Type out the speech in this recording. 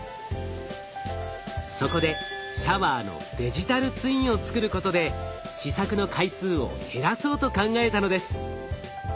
そこでシャワーのデジタルツインを作ることで試作の回数を減らそうと考えたのです。